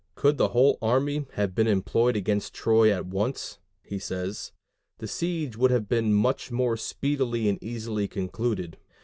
Could the whole army have been employed against Troy at once (he says), the siege would have been much more speedily and easily concluded.